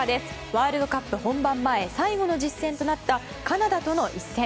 ワールドカップ本番前最後の実戦となったカナダとの一戦。